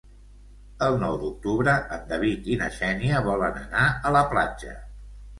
El nou d'octubre en David i na Xènia volen anar a la platja.